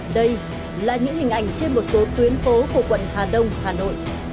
đây là những hình ảnh trên một số tuyến phố của quận hà đông hà nội